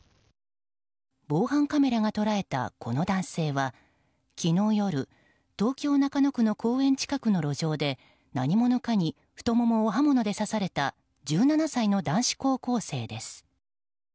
防犯カメラが捉えたこの男性は昨日夜東京・中野区の公園近くの路上で何者かに太ももを刃物で刺された１７歳の男子高校生です。